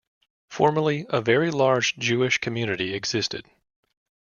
Formerly, a very large Jewish community existed.